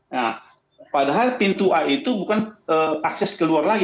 nah padahal pintu a itu bukan akses keluar lagi